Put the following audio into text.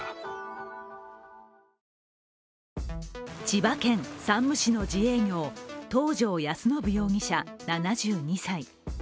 千葉県山武市の自営業、東條安伸容疑者７２歳。